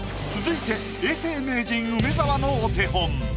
続いて永世名人梅沢のお手本。